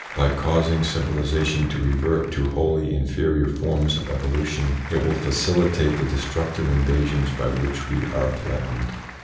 By causing civilisation to revert to wholly inferior forms of evolution, it will facilitate the destructive invasions by which we are threatened.